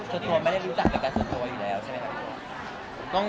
เซอร์โทไม่ได้รู้จักกับแฟนเซอร์โทไว้อยู่ใดแล้วใช่ไหมครับ